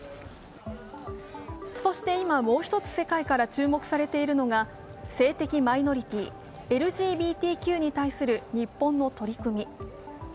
そして今、もう一つ世界から注目されているのが、性的マイノリティー＝ＬＧＢＴＱに対する日本の取り組み。